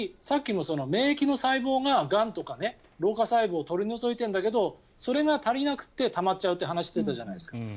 さっきも免疫の細胞ががんとか老化細胞を取り除いてるんだけどそれが足りなくてたまっちゃうという話をしていたじゃないですか。